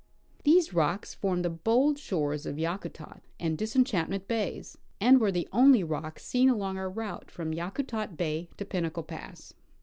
These rocks form the bold shores of Yakutat and Disenchant ment bays, and were the only rocks seen along our route from Yakutat bay to Pinnacle pass.